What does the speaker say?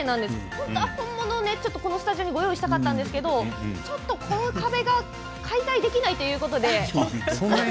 本当は本物をこのスタジオにご用意したかったんですけどちょっと、この壁が解体できないということで。